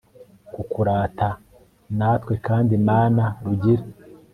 kukurata, natwe kandi mana rugira